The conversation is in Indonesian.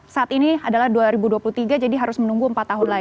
saat ini adalah dua ribu dua puluh tiga jadi harus menunggu empat tahun lagi